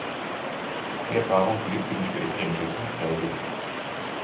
Die Erfahrung blieb für die spätere Entwicklung prägend.